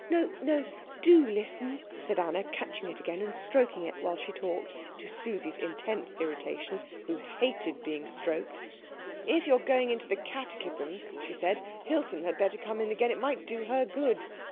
"No, no, do listen," said Anna, catching it again and stroking it while she talked, to Susie's intense irritation, who hated being stroked. "If you are going into the catechism," she said, "Hilton had better come in again. It might do her good."